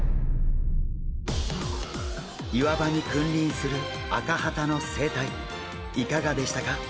岩場に君臨するアカハタの生態いかがでしたか？